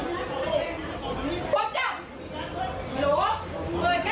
แต่ว่าพวกเจ้าก็เป็นสิ